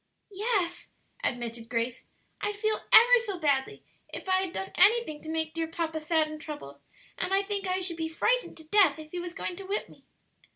"Yes," admitted Grace; "I'd feel ever so badly if I'd done anything to make dear papa sad and troubled; and I think I should be frightened to death if he was going to whip me."